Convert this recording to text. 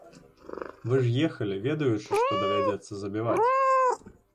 Вы ж ехалі, ведаючы, што давядзецца забіваць?